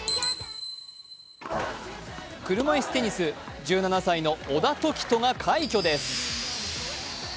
車いすテニス、１７歳の小田凱人が快挙です。